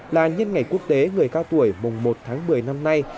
là nhân ngày quốc tế người cao tuổi mùng một tháng một mươi năm nay